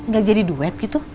gak jadi duet gitu